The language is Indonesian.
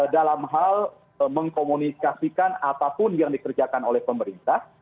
dalam hal mengkomunikasikan apapun yang dikerjakan oleh pemerintah